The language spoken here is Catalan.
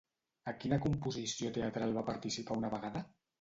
A quina composició teatral va participar una vegada?